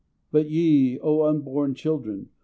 But ye, O unborn children!